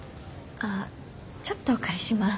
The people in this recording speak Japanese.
あっちょっとお借りします。